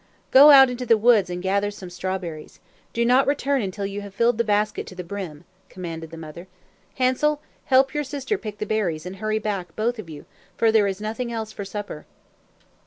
"Go out into the woods and gather some strawberries. Do not return until you have filled the basket to the brim," commanded the mother. "Hansel, help your sister pick the berries, and hurry back, both of you, for there is nothing else for supper."